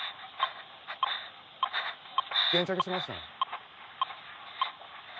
・現着しました。